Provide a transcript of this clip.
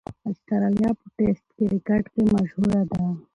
اسټرالیا په ټېسټ کرکټ کښي مشهوره ده.